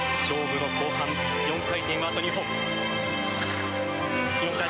勝負の後半４回転はあと２本。